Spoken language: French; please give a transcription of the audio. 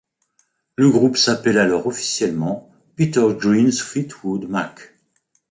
Le groupe s'appelle alors officiellement Peter Green's Fleetwood Mac.